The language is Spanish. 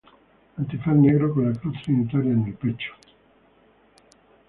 Antifaz negro con la cruz trinitaria en el pecho.